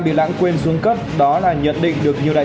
các bước chậm ở đây